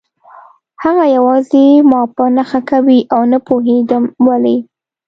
هغه یوازې ما په نښه کوي او نه پوهېدم ولې